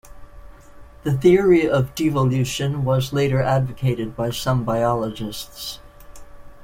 The theory of devolution, was later advocated by some biologists.